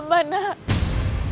mama akan ambil sifat